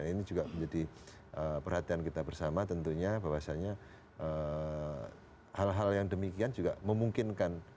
ini juga menjadi perhatian kita bersama tentunya bahwasannya hal hal yang demikian juga memungkinkan